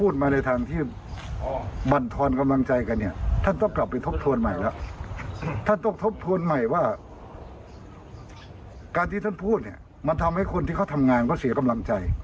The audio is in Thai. เดี๋ยวมาเล่าต่อค่ะ